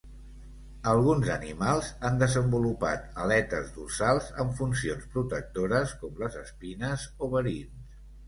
Alguns animals han desenvolupat aletes dorsals amb funcions protectores, com les espines o verins.